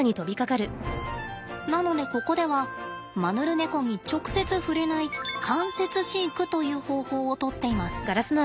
なのでここではマヌルネコに直接触れない間接飼育という方法をとっています。